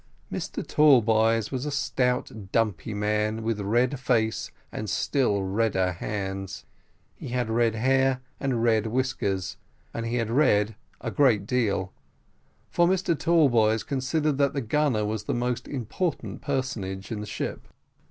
Mr Tallboys was a stout dumpy man, with red face, and still redder hands; he had red hair and red whiskers, and he had read a good deal for Mr Tallboys considered that the gunner was the most important personage in the ship.